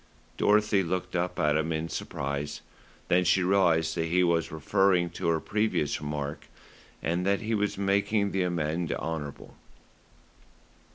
Dorothy looked up at him in surprise, then she realised that he was referring to her previous remark, and that he was making the amende honorable.